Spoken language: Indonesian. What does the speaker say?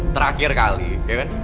terakhir kali ya kan